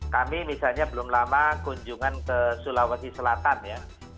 kami misalnya belum lama kunjungan ke sulawesi selatan ya